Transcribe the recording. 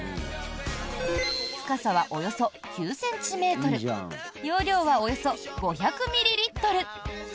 深さはおよそ９ｃｍ容量はおよそ５００ミリリットル。